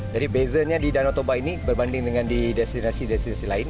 jadi bezanya di danau toba ini berbanding dengan di destinasi destinasi lain